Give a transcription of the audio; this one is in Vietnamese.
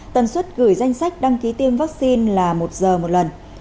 tần suất gửi danh sách đăng ký tiêm vaccine là một giờ một lần